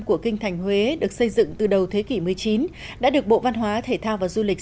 của kinh thành huế được xây dựng từ đầu thế kỷ một mươi chín đã được bộ văn hóa thể thao và du lịch